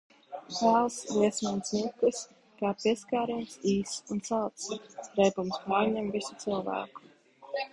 Kvēls liesmains mirklis kā pieskāriens īss un salds reibums pārņem visu cilvēku.